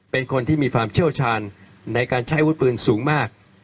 เป็นคนที่มีความเชี่ยวชาญในการใช้อาวุธปืนสูงมาก